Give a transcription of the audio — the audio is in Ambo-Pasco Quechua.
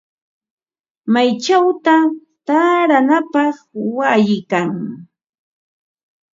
¿Maychawta taaranapaq wayi kan?